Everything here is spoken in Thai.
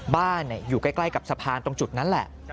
อยู่ใกล้กับสะพานตรงจุดนั้นแหละ